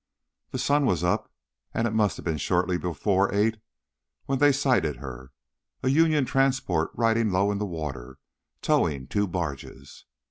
The sun was up and it must have been shortly before eight when they sighted her, a Union transport riding low in the water, towing two barges.